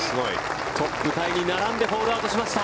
トップタイに並んでホールアウトしました。